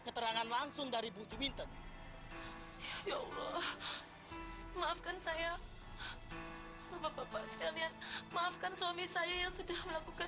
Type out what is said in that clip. bapak memang cuma bikin malu kamu sah